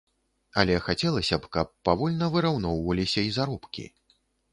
Але хацелася б, каб павольна выраўноўваліся і заробкі.